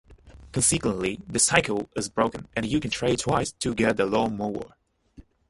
Consequently, the cycle is broken, and you can trade twice to get the lawnmower.